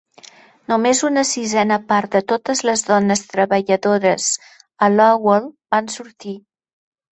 Només una sisena part de totes les dones treballadores a Lowell van sortir.